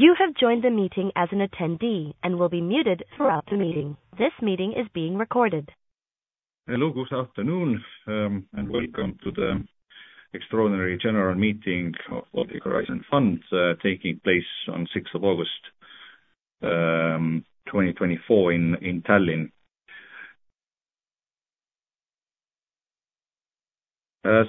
You have joined the meeting as an attendee and will be muted throughout the meeting. This meeting is being recorded. Hello, good afternoon, and welcome to the extraordinary general meeting of Baltic Horizon Fund taking place on 6 August 2024 in Tallinn. As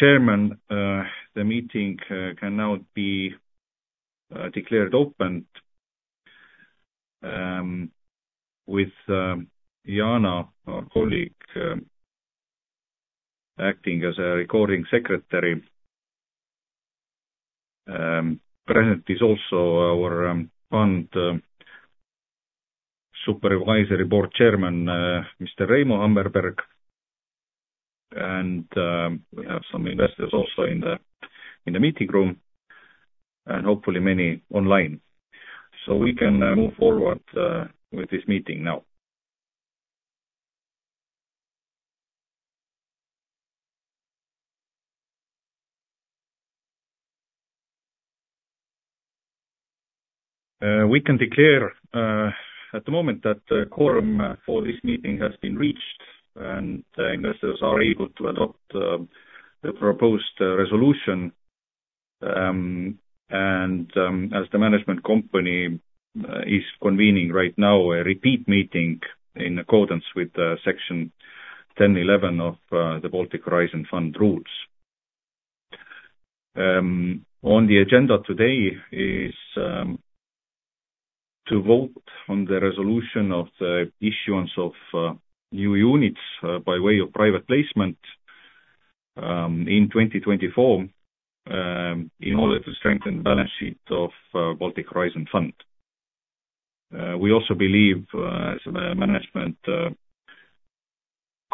Chairman, the meeting can now be declared open with Jaana, our colleague, acting as a recording secretary. Present is also our fund supervisory board chairman, Mr. Reimo Hammerberg, and we have some investors also in the meeting room, and hopefully many online. So we can move forward with this meeting now. We can declare at the moment that the quorum for this meeting has been reached, and investors are able to adopt the proposed resolution. And as the management company is convening right now a repeat meeting in accordance with Section 10.11 of the Baltic Horizon Fund rules. On the agenda today is to vote on the resolution of the issuance of new units by way of private placement in 2024 in order to strengthen the balance sheet of Baltic Horizon Fund. We also believe, as a management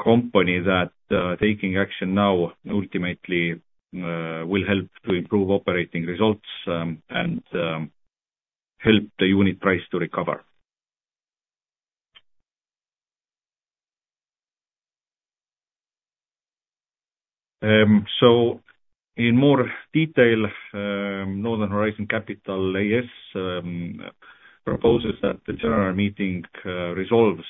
company, that taking action now ultimately will help to improve operating results and help the unit price to recover. So in more detail, Northern Horizon Capital AS proposes that the general meeting resolves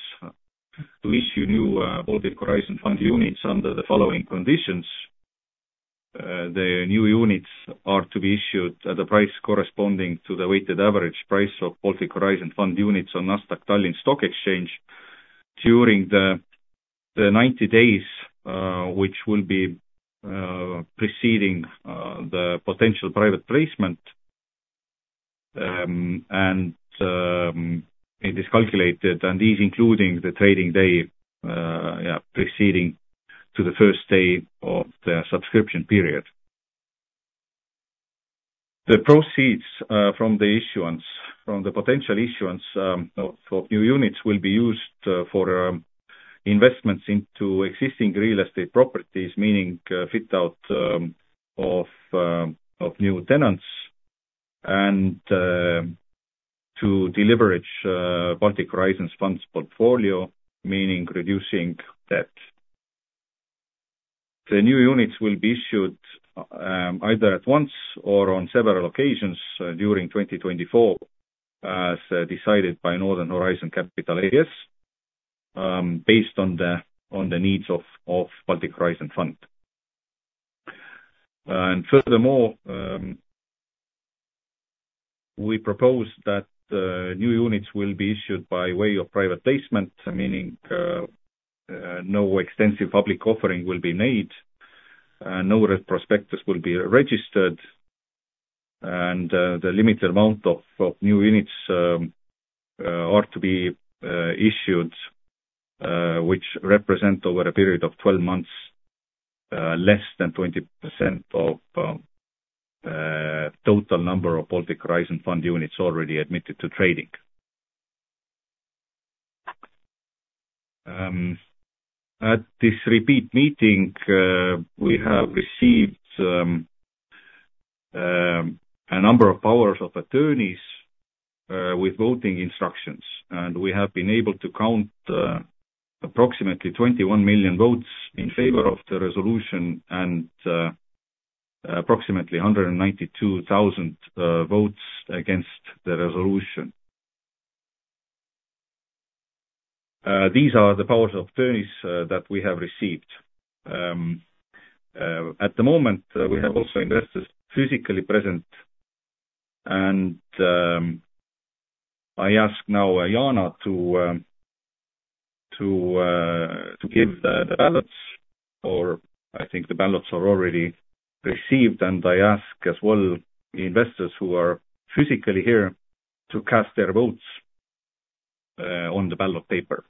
to issue new Baltic Horizon Fund units under the following conditions. The new units are to be issued at a price corresponding to the weighted average price of Baltic Horizon Fund units on Nasdaq Tallinn Stock Exchange during the 90 days which will be preceding the potential private placement. And it is calculated, and these including the trading day preceding to the first day of the subscription period. The proceeds from the issuance, from the potential issuance of new units, will be used for investments into existing real estate properties, meaning fit-out of new tenants, and to deleverage Baltic Horizon Fund's portfolio, meaning reducing debt. The new units will be issued either at once or on several occasions during 2024, as decided by Northern Horizon Capital AS, based on the needs of Baltic Horizon Fund. Furthermore, we propose that new units will be issued by way of private placement, meaning no extensive public offering will be made, no prospectuses will be registered, and the limited amount of new units are to be issued, which represent over a period of 12 months less than 20% of total number of Baltic Horizon Fund units already admitted to trading. At this repeat meeting, we have received a number of powers of attorney with voting instructions, and we have been able to count approximately 21 million votes in favor of the resolution and approximately 192,000 votes against the resolution. These are the powers of attorneys that we have received. At the moment, we have also investors physically present, and I ask now Jaana to give the ballots, or I think the ballots are already received, and I ask as well investors who are physically here to cast their votes on the ballot paper.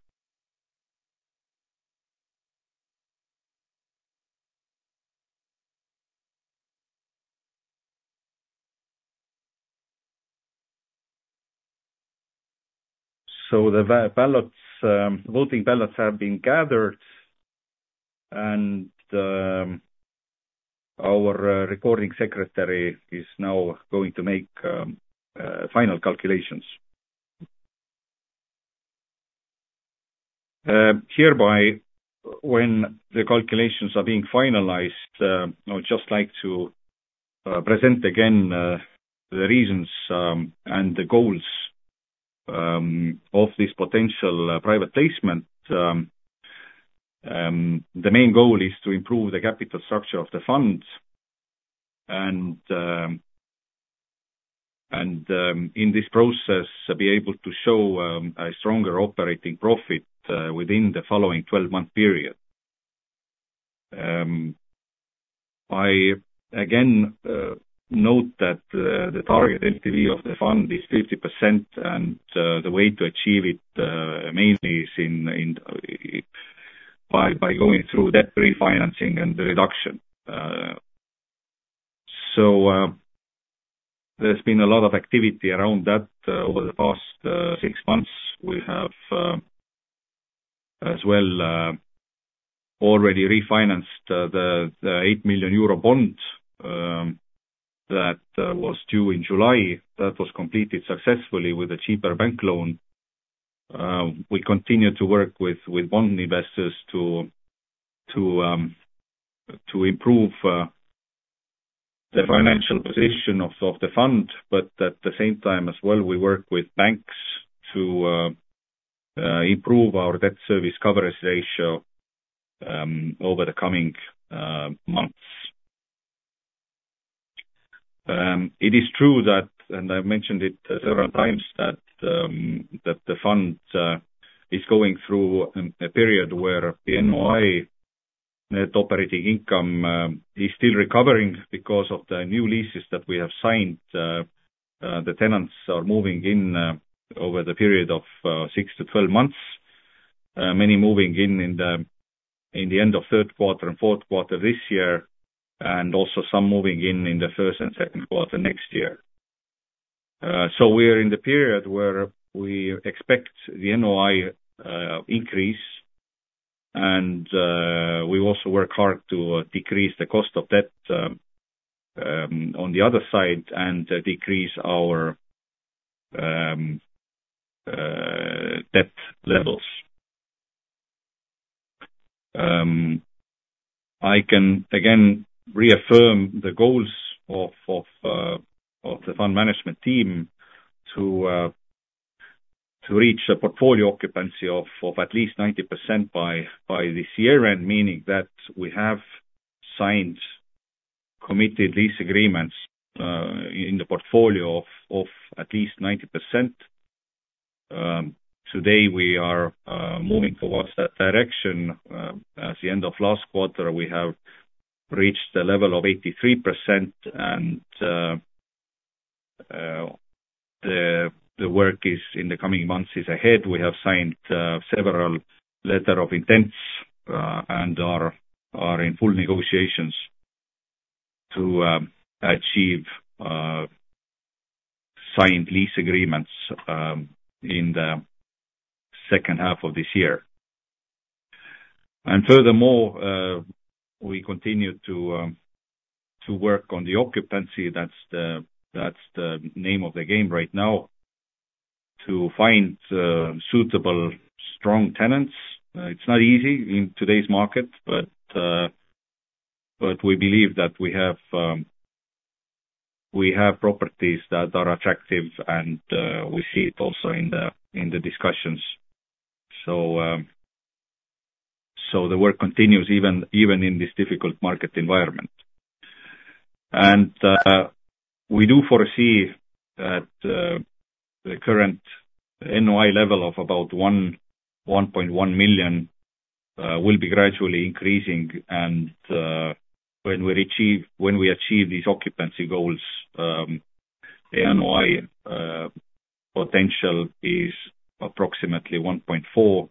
So the voting ballots have been gathered, and our recording secretary is now going to make final calculations. Hereby, when the calculations are being finalized, I would just like to present again the reasons and the goals of this potential private placement. The main goal is to improve the capital structure of the fund and, in this process, be able to show a stronger operating profit within the following 12-month period. I again note that the target LTV of the fund is 50%, and the way to achieve it mainly is by going through debt refinancing and reduction. So there's been a lot of activity around that over the past six months. We have as well already refinanced the 8 million euro bond that was due in July. That was completed successfully with a cheaper bank loan. We continue to work with bond investors to improve the financial position of the fund, but at the same time as well, we work with banks to improve our debt service coverage ratio over the coming months. It is true that, and I mentioned it several times, that the fund is going through a period where the NOI net operating income is still recovering because of the new leases that we have signed. The tenants are moving in over the period of 6-12 months, many moving in in the end of Q3 and fourth quarter this year, and also some moving in in the first and Q2 next year. So we are in the period where we expect the NOI increase, and we also work hard to decrease the cost of debt on the other side and decrease our debt levels. I can again reaffirm the goals of the fund management team to reach a portfolio occupancy of at least 90% by this year, meaning that we have signed committed lease agreements in the portfolio of at least 90%. Today, we are moving towards that direction. At the end of last quarter, we have reached the level of 83%, and the work in the coming months is ahead. We have signed several letters of intent and are in full negotiations to achieve signed lease agreements in the H2 of this year. Furthermore, we continue to work on the occupancy, that's the name of the game right now, to find suitable strong tenants. It's not easy in today's market, but we believe that we have properties that are attractive, and we see it also in the discussions. So the work continues even in this difficult market environment. We do foresee that the current NOI level of about 1.1 million will be gradually increasing, and when we achieve these occupancy goals, the NOI potential is approximately 1.4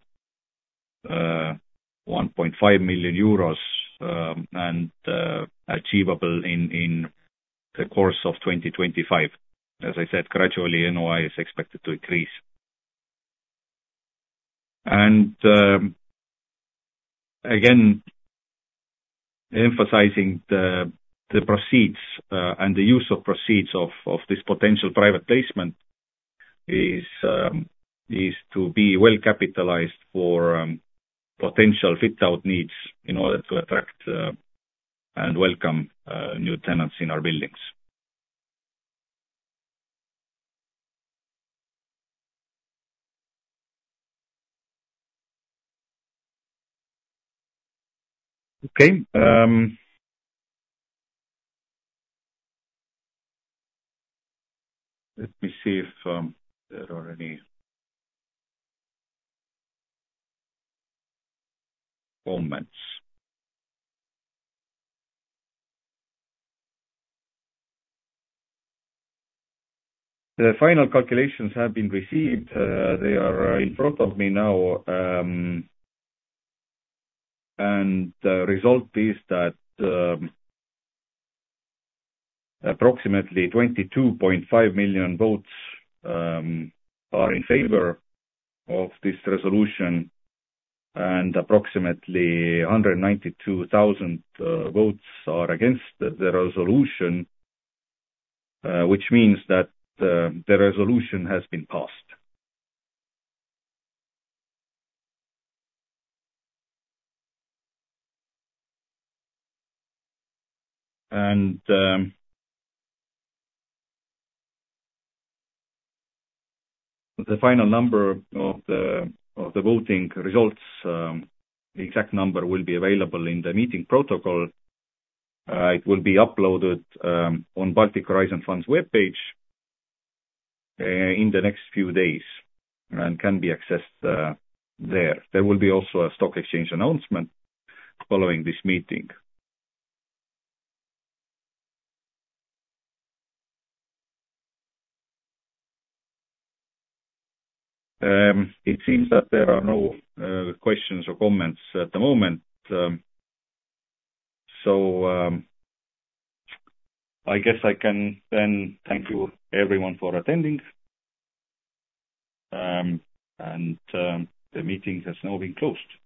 million-1.5 million euros, and achievable in the course of 2025. As I said, gradually, NOI is expected to increase. And again, emphasizing the proceeds and the use of proceeds of this potential private placement is to be well capitalized for potential fit-out needs in order to attract and welcome new tenants in our buildings. Okay. Let me see if there are any comments. The final calculations have been received. They are in front of me now, and the result is that approximately 22.5 million votes are in favor of this resolution, and approximately 192,000 votes are against the resolution, which means that the resolution has been passed. And the final number of the voting results, the exact number will be available in the meeting protocol. It will be uploaded on Baltic Horizon Fund's webpage in the next few days and can be accessed there. There will be also a stock exchange announcement following this meeting. It seems that there are no questions or comments at the moment. So I guess I can then thank you everyone for attending, and the meeting has now been closed.